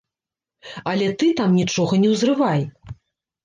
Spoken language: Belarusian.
Але ты там нічога не ўзрывай.